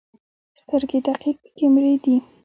سترګې دقیق کیمرې دي.